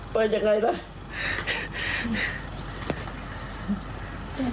เปิดยังไงแล้ว